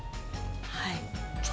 はい。